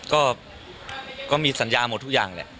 มีครับก็มีสัญญาณหมดทุกอย่างแหละ